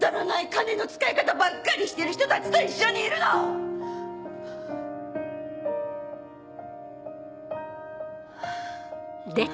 金の使い方ばっかりしてる人たちと一緒にいるの‼あっ！